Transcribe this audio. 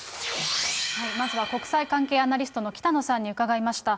まずは国際関係アナリストの北野さんに伺いました。